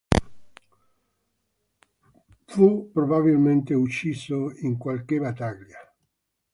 Fu probabilmente ucciso in qualche battaglia.